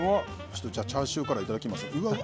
チャーシューからいただきます。